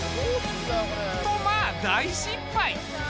とまあ大失敗。